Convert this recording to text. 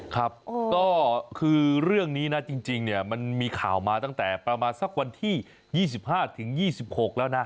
ครับก็คือเรื่องนี้นะจริงเนี่ยมันมีข่าวมาตั้งแต่ประมาณสักวันที่๒๕๒๖แล้วนะ